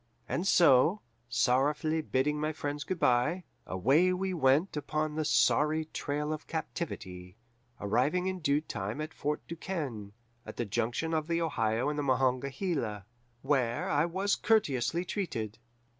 And so, sorrowfully bidding my friends good by, away we went upon the sorry trail of captivity, arriving in due time at Fort Du Quesne, at the junction of the Ohio and the Monongahela, where I was courteously treated.